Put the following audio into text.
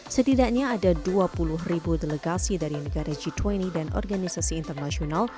setidaknya ada dua puluh ribu delegasi dari negara g dua puluh dan organisasi internasional